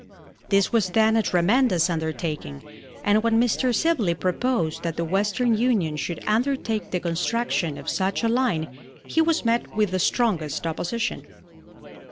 This was then a tremendous undertaking, and when Mr. Sibley proposed that the Western Union should undertake the construction of such a line he was met with the strongest opposition.